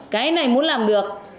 cái này muốn làm được